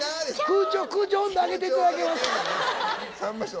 空調温度上げていただけます？